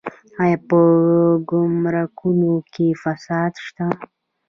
آیا په ګمرکونو کې فساد شته؟